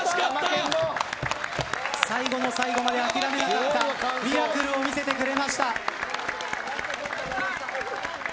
最後の最後まで諦めなかったミラクルを見せてくれました。